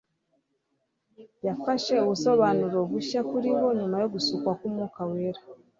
yafashe ubusobanuro bushya kuri bo. Nyurua yo gusukwa k'Umwuka wera